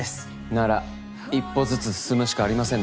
なら一歩ずつ進むしかありませんね。